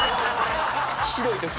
ひどい時。